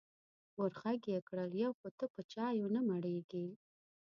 ور غږ یې کړل: یو خو ته په چایو نه مړېږې.